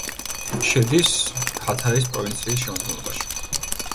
შედის ჰათაის პროვინციის შემადგენლობაში.